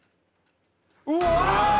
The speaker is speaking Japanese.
うわ！